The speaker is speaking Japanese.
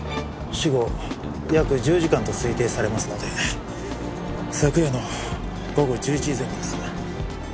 死後約１０時間と推定されますので昨夜の午後１１時前後です。